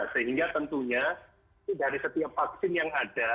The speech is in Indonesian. sehingga tentunya dari setiap vaksin yang ada